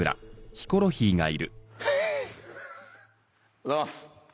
おはようございます。